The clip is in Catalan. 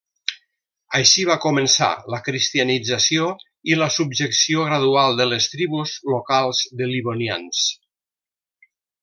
Així va començar la cristianització i la subjecció gradual de les tribus locals de livonians.